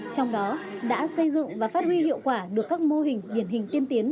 trong đó đã xây dựng và phát huy hiệu quả được các mô hình điển hình tiên tiến